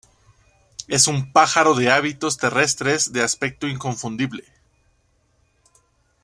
Es un pájaro de hábitos terrestres de aspecto inconfundible.